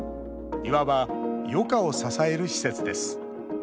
いわば、余暇を支える施設です。